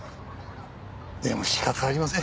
でも仕方ありません。